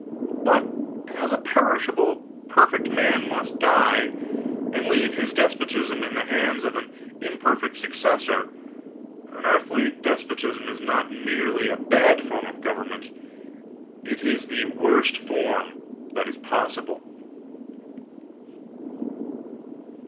But as a perishable perfect man must die, and leave his despotism in the hands of an imperfect successor, an earthly despotism is not merely a bad form of government, it is the worst form that is possible.